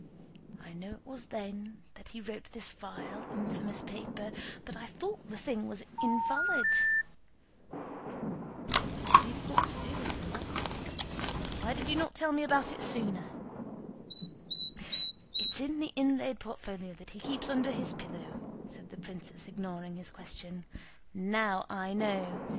I know it was then he wrote this vile, infamous paper, but I thought the thing was invalid." "We've got to it at last—why did you not tell me about it sooner?" "It's in the inlaid portfolio that he keeps under his pillow," said the princess, ignoring his question. "Now I know!